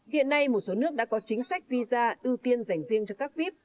hiện nay một số nước đã có chính sách visa ưu tiên dành riêng cho các vip